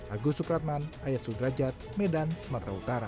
agus supratman ayat sudrajat medan sumatera utara